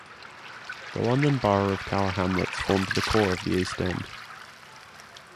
The London Borough of Tower Hamlets forms the core of the East End.